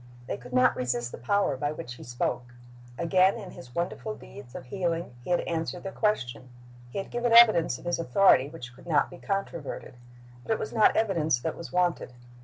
They could not resist the power by which He spoke. Again in His wonderful deeds of healing He had answered their question. He had given evidence of His authority which could not be controverted. But it was not evidence that was wanted.